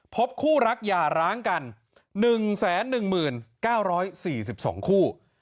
พบคู่รักอย่าร้างกัน๑๑๙๔๒คู่